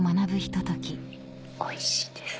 おいしいです。